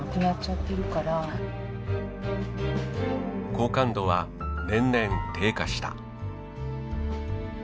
好感度は年々低下した。